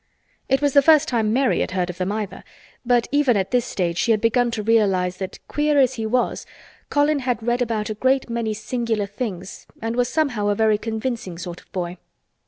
It was the first time Mary had heard of them, either, but even at this stage she had begun to realize that, queer as he was, Colin had read about a great many singular things and was somehow a very convincing sort of boy.